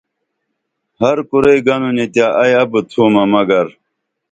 ہر کُرئی گنُنی تے ائی ابُت تھومہ مگر